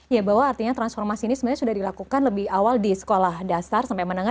ya bahwa artinya transformasi ini sebenarnya sudah dilakukan lebih awal di sekolah dasar sampai menengah